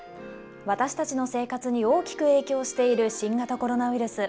私たちの生活に大きく影響している新型コロナウイルス。